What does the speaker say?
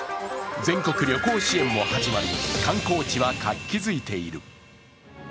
全国旅行支援も始まり観光地は活気づいている。